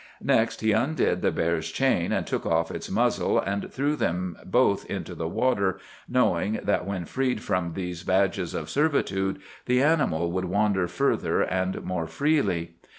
Next he undid the bear's chain, and took off its muzzle, and threw them both into the water, knowing that when freed from these badges of servitude the animal would wander further and more freely.